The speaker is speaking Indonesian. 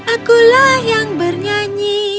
akulah yang bernyanyi